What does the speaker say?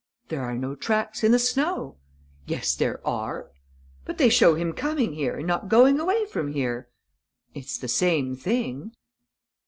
"There are no tracks in the snow." "Yes, there are." "But they show him coming here and not going away from here." "It's the same thing."